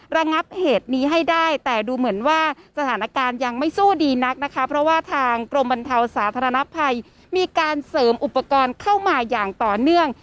ระงับเหตุนี้ให้ได้แต่ดูเหมือนว่าสถานการณ์ยังไม่สู้ดีนักนะคะเพราะว่าทางกรมบรรเทาสาธารณภัยมีการเสริมอุปกรณ์เข้ามาอย่างต่อเนื่อง